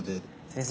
先生